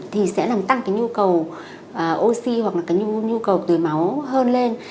thì sẽ làm tăng cái nhu cầu oxy hoặc là cái nhu cầu tưới máu hơn lên